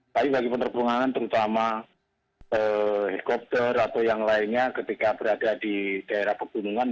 ethn pemeriksaan terutama helikopter atau yang lainnya ketika berada di daerah pekerjaan